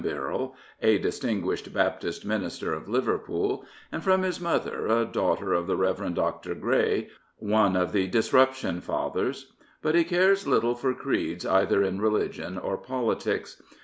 Birrell, a distinguished Baptist minister of Liverpool, and from his mother, a daughter of the Rev. Dr. Grey, one of the Disruption fathers; but he cares little for creeds either in religion or politics.